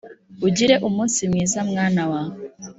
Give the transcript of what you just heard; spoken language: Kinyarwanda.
ugire umunsi mwiza mwana wa!